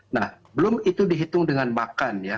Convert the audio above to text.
nah belum itu dihitung dengan makan ya